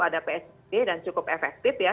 ada psbb dan cukup efektif ya